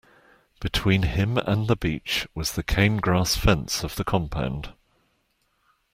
Between him and the beach was the cane-grass fence of the compound.